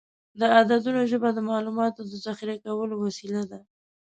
د عددونو ژبه د معلوماتو د ذخیره کولو وسیله ده.